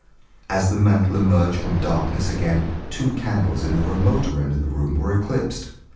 As the mantel emerged from darkness again, two candles in the remoter end of the room were eclipsed.